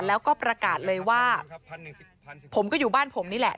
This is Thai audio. แล้วก็ประกาศเลยว่าผมก็อยู่บ้านผมนี่แหละ